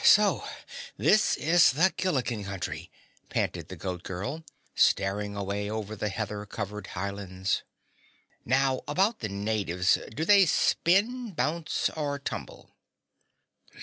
"So this is the Gillikin Country!" panted the Goat Girl, staring away over the heather covered Highlands. "Now about the natives, do they spin, bounce or tumble?"